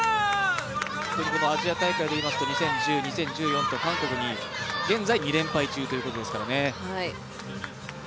アジア大会でいいますと２０１０、２０１４と韓国に現在２連敗中ということですからね。